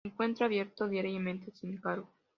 Se encuentra abierto diariamente sin cargo.